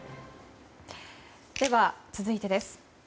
では、続いてです。